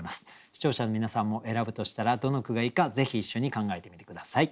視聴者の皆さんも選ぶとしたらどの句がいいかぜひ一緒に考えてみて下さい。